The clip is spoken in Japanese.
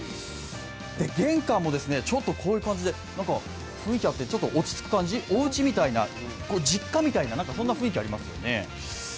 玄関も、ちょっと雰囲気があって落ち着く感じ、おうちみたいな、実家みたいなそんな雰囲気ありますよね。